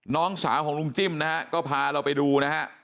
น้องสาวของลุงจิ้มนะฮะก็พาเราไปดูนะฮะ